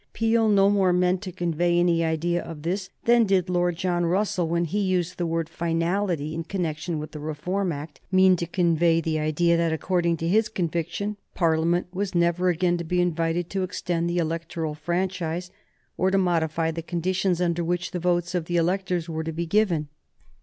Peel no more meant to convey any idea of this kind than did Lord John Russell, when he used the word finality in connection with the Reform Act, mean to convey the idea that, according to his conviction, Parliament was never again to be invited to extend the electoral franchise or to modify the conditions under which the votes of the electors were to be given.